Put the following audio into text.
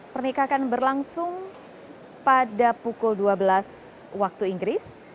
pernikahan berlangsung pada pukul dua belas waktu inggris